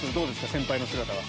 先輩の姿は。